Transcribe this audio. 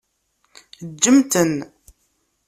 Ǧǧemt-ten.